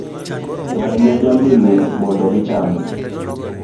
Ng'adne jamni lum mondo gicham.